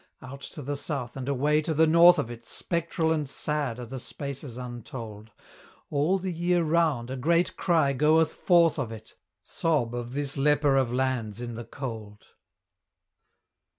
Out to the south and away to the north of it, Spectral and sad are the spaces untold! All the year round a great cry goeth forth of it Sob of this leper of lands in the cold.